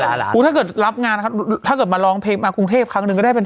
และปีกูถ้าเกิดรับงานนะครับถ้าเกิดมาร้องเพลงมากรุงเทพครั้งนึงก็ได้เป็น